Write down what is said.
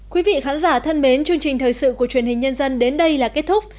quý vị khán giả thân mến chương trình thời sự của truyền hình nhân dân đến đây là kết thúc